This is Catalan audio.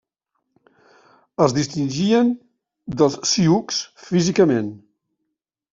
Es distingien dels sioux físicament.